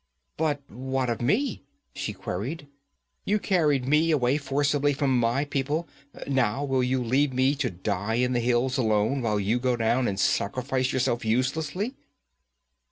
'But what of me?' she queried. 'You carried me away forcibly from my people; now will you leave me to die in the hills alone while you go down and sacrifice yourself uselessly?'